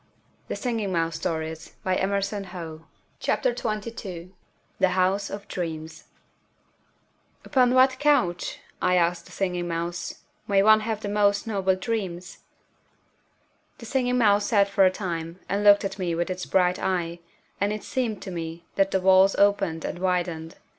[Illustration: The House of Dreams] THE HOUSE OF DREAMS "Upon what couch," I asked the Singing Mouse, "may one have the most noble dreams?" The Singing Mouse sat for a time and looked at me with its bright eye, and it seemed to me that the walls opened and widened.